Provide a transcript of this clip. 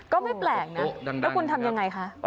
ก็ไม่แปลกนะแล้วคุณทำยังไงคะ